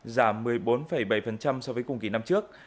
giảm một mươi bốn bảy so với cùng kỳ năm trước